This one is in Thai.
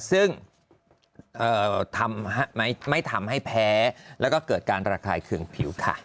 ซึ่งไม่ทำให้แพ้แล้วก็เกิดการระคายเคืองผิวค่ะ